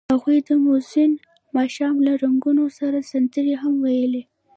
هغوی د موزون ماښام له رنګونو سره سندرې هم ویلې.